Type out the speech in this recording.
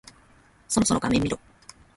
そろそろ画面見ろ。